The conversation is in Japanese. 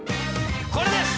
これです。